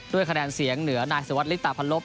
ด้วยคะแนนเสียงเหนือนายศิวัตรฤตภัณฑ์ลบ